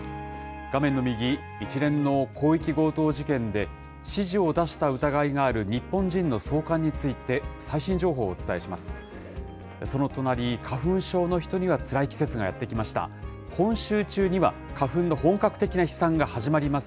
画面の右、一連の広域強盗事件で、指示を出した疑いがある日本人の送還について、最新情報をお伝えします。